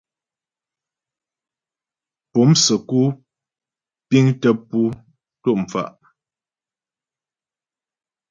Po'o msə́ku piəŋ tə pú tɔ' mfa'.